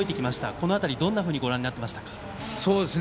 この辺り、どんなふうにご覧になってましたか？